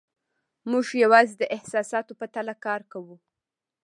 موږ یوازې د احساساتو په تله کار کوو.